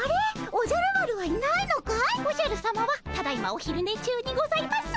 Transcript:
おじゃるさまはただいまおひるね中にございます。